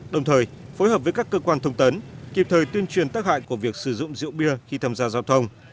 đồng thời phối hợp với các cơ quan thông tấn kịp thời tuyên truyền tác hại của việc sử dụng rượu bia khi tham gia giao thông